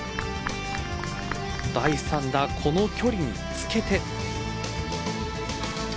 第３打、この距離につけて。